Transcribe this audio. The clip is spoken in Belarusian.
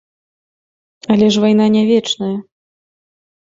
Але ж вайна не вечная.